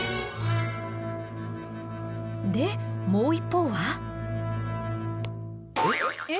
でもう一方は。えっ？